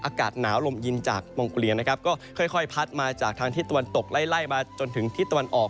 อากาศหนาวลมเย็นจากมองโกเลียนะครับก็ค่อยพัดมาจากทางทิศตะวันตกไล่มาจนถึงทิศตะวันออก